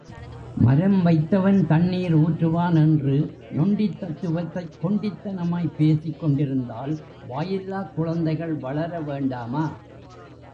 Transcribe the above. மரம் வைத்தவன் தண்ணீர் ஊற்றுவான் என்று நொண்டித் தத்துவத்தைக் கொண்டித்தனமாய்ப் பேசிக் கொண்டிருந்தால், வாயில்லாக் குழந்தைகள் வளர வேண்டாமா?